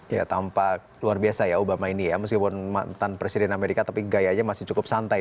ya tampak luar biasa ya obama ini ya meskipun mantan presiden amerika tapi gayanya masih cukup santai